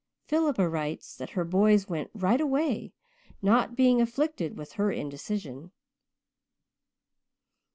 Philippa writes that her boys 'went right away, not being afflicted with her indecision.'"